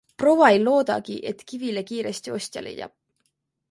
Proua ei loodagi, et kivile kiiresti ostja leiab.